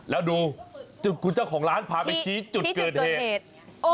แล้วดูจุดคุณเจ้าของร้านพาไปชี้จุดเกิดเหตุ